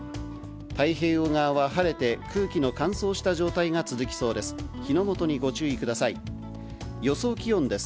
太平洋側は晴れて、空気の乾燥した状態が続きそうです。